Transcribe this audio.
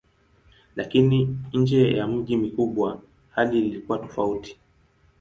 Lakini nje ya miji mikubwa hali ilikuwa tofauti.